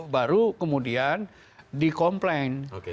baru kemudian di komplain